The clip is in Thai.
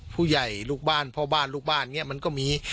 ผู้ใหญ่ลูกบ้านพ่อบ้านลูกบ้านอย่างนี้มันก็มี